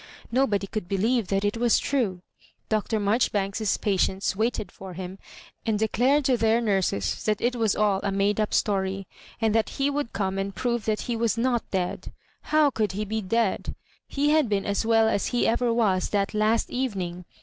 Nobody could believe ttiat it was true. Dr. Marjoribanks's patients waited for him, and declared to their nurses that it was all a made up story, and that he would come and prove that he was not dead. How could he be dead? He had been as well as he ever was that last evening.